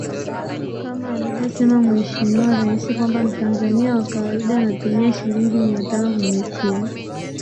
kama alivyosema mheshimiwa rais kwamba mtanzania wa kawaida anatumia shilingi mia tano kwenye simu